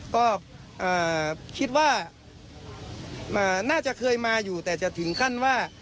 ก็คิดว่าน่าจะเคยมาอยู่แต่จะถึงขั้นว่า